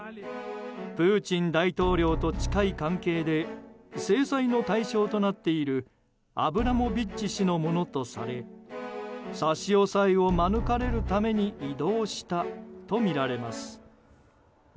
プーチン大統領と近い関係で制裁の対象となっているアブラモビッチ氏のものとされ差し押さえを免れるために移動したとみられます。